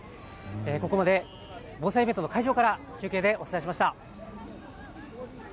ここまで防災イベントの会場から中継でお伝えしました。